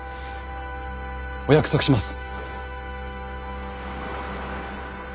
お約束します。